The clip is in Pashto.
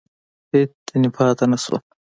هېڅ ځني پاته نه شول !